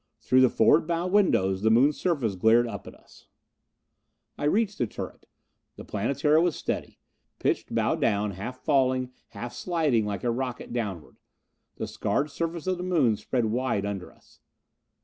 Through the forward bow windows the Moon surface glared up at us. I reached the turret. The Planetara was steady. Pitched bow down, half falling, half sliding like a rocket downward. The scarred surface of the Moon spread wide under us.